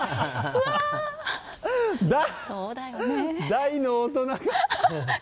大の大人が。